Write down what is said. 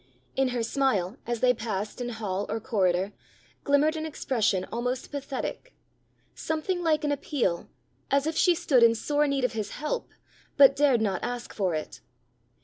In her smile, as they passed in hall or corridor, glimmered an expression almost pathetic something like an appeal, as if she stood in sore need of his help, but dared not ask for it.